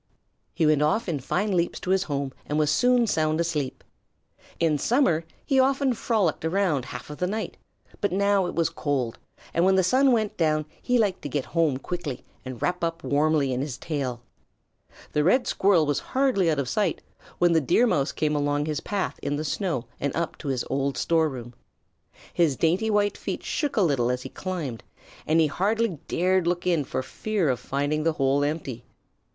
He went off in fine leaps to his home and was soon sound asleep. In summer he often frolicked around half of the night, but now it was cold, and when the sun went down he liked to get home quickly and wrap up warmly in his tail. The Red Squirrel was hardly out of sight when the Deer Mouse came along his path in the snow and up to his old storeroom. His dainty white feet shook a little as he climbed, and he hardly dared look in for fear of finding the hole empty.